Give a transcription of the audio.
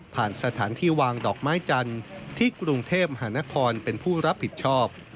สถานที่วางดอกไม้จันทร์ที่กรุงเทพมหานครเป็นผู้รับผิดชอบ